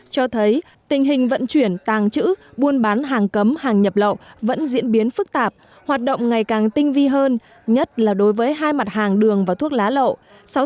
cho thấy tình hình vận chuyển tàng trữ buôn bán hàng cấm hàng nhập lậu vẫn diễn biến phức tạp hoạt động ngày càng tinh vi hơn nhất là đối với hai mặt hàng đường và thuốc lá lậu